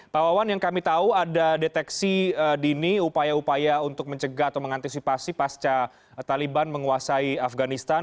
pak wawan yang kami tahu ada deteksi dini upaya upaya untuk mencegah atau mengantisipasi pasca taliban menguasai afganistan